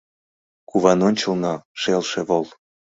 Куван ончылно — шелше вол.